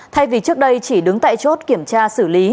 thay vì trước đây chỉ đứng tại chốt kiểm tra xử lý